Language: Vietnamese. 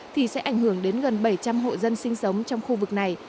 thì sẽ ảnh hưởng đến gần bảy trăm linh hộ dân sinh sống trong khu vực này